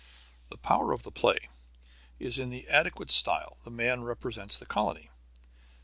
The power of the play is in the adequate style the man represents the colony.